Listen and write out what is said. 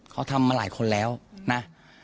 เขาทำมาหลายคนแล้วนะ